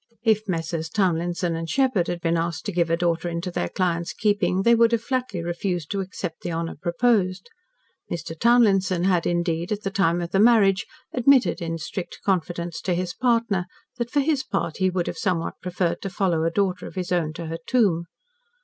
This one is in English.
If Messrs. Townlinson & Sheppard had been asked to give a daughter into their client's keeping, they would have flatly refused to accept the honour proposed. Mr. Townlinson had, indeed, at the time of the marriage, admitted in strict confidence to his partner that for his part he would have somewhat preferred to follow a daughter of his own to her tomb.